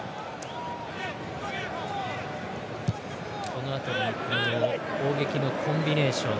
その辺りの攻撃のコンビネーション。